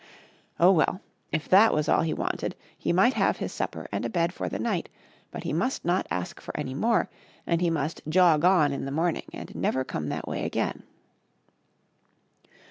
Oh, well I if that was all that he wanted, he might have his supper and a bed for the nigjit, but he must not ask for any more, and he must jog on in the morning and never come that way again.